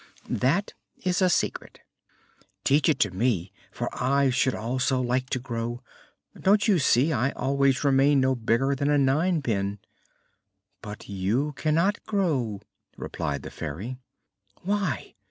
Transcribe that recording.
"That is a secret." "Teach it to me, for I should also like to grow. Don't you see? I always remain no bigger than a ninepin." "But you cannot grow," replied the Fairy. "Why?"